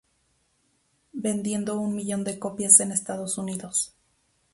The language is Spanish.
Vendiendo un millón de copias en Estados Unidos,